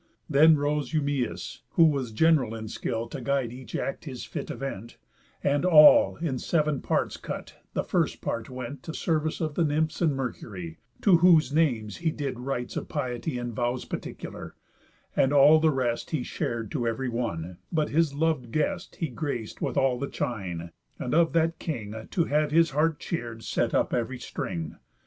Then rose Eumæus (who was general In skill to guide each act his fit event) And, all in seven parts cut, the first part went To service of the Nymphs and Mercury, To whose names he did rites of piety In vows particular; and all the rest He shar'd to ev'ry one, but his lov'd guest He grac'd with all the chine, and of that king, To have his heart cheer'd, set up ev'ry string.